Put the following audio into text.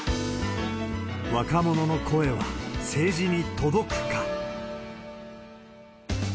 若者の声は政治に届くか。